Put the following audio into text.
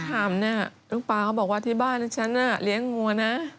ตอนที่เขาถามเนี่ยลูกปลาเขาบอกว่าที่บ้านฉันเลี้ยงงัวนะ